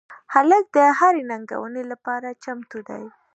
هلک د هرې ننګونې لپاره چمتو دی.